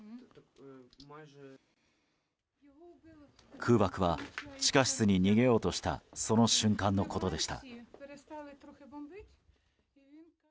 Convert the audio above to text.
空爆は地下室に逃げようとしたその瞬間のことでした。